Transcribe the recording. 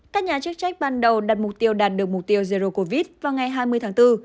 các nhà chức trách ban đầu đặt mục tiêu đạt được mục tiêu jero covid vào ngày hai mươi tháng bốn